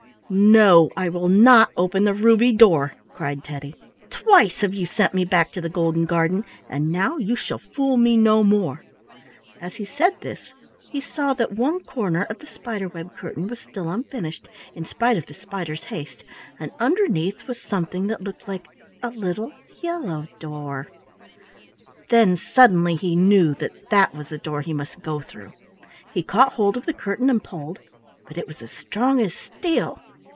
"No, I will not open the ruby door," cried Teddy. "Twice have you sent me back to the golden garden, and now you shall fool me no more." As he said this he saw that one corner of the spider web curtain was still unfinished, in spite of the spider's haste, and underneath was something that looked like a little yellow door. Then suddenly he knew that that was the door he must go through. He caught hold of the curtain and pulled, but it was as strong as steel.